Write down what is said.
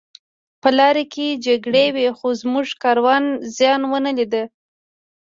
په لاره کې جګړې وې خو زموږ کاروان زیان ونه لید